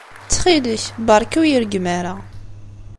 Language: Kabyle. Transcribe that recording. Ttxil-k, beṛka ur iyi-reggem ara.